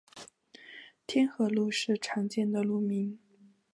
天河路是常见的路名。